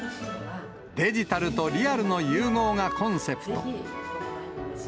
デジタルとリアルの融合がコンセプト。